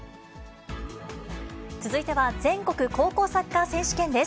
続いては、全国高校サッカー選手権です。